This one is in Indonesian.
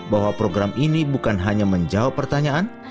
bahwa program ini bukan hanya menjawab pertanyaan